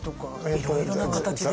いろいろな形で。